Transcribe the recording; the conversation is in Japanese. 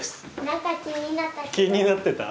気になってた？